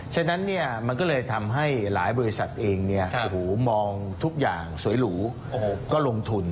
ฉะนั้นมันก็เลยทำให้หลายบริษัทเองมองทุกอย่างสวยหรูก็ลงทุน